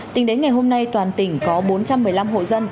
tính đến ngày hôm nay toàn tỉnh có bốn trăm một mươi năm hội trợ